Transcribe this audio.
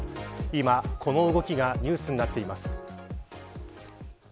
今この動きがニュースになっています。